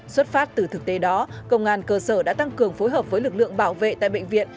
xuất phát từ thực tế đó công an cơ sở đã tăng cường phối hợp với lực lượng bảo vệ tại bệnh viện